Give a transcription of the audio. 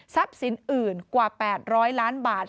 ทรัพย์สินอื่นกว่า๘๐๐ล้านบาท